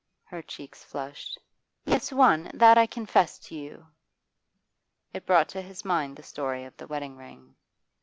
Her cheeks flushed. 'Yes, one; that I confessed to you.' It brought to his mind the story of the wedding ring.